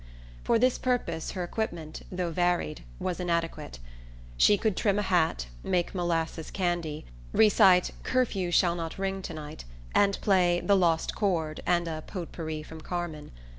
For this purpose her equipment, though varied, was inadequate. She could trim a hat, make molasses candy, recite "Curfew shall not ring to night," and play "The Lost Chord" and a pot pourri from "Carmen."